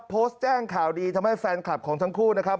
โพสต์แจ้งข่าวดีทำให้แฟนคลับของทั้งคู่นะครับ